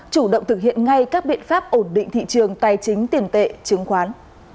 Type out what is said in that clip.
chủ động thực hiện ngay các biện pháp ổn định thị trường tài chính tiền tệ chứng khoán